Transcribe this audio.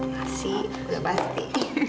masih nggak pasti